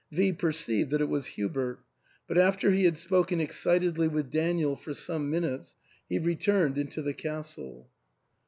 V perceived that it was Hubert ; but after he had spoken excitedly with Daniel for some minutes, he returned into the castle.